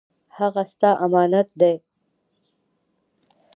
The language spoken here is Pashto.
هغه ستا امانت دی